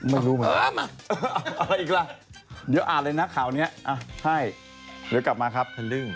ไม่รู้มาอะไรอีกล่ะเดี๋ยวอ่านเลยนะข่าวนี้อ่ะใช่เดี๋ยวกลับมาครับแคนดิ้ง